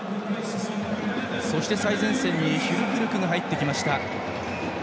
そして、最前線にフュルクルクが入ってきました。